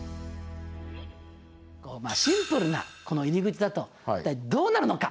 まあシンプルなこの入り口だと一体どうなるのか。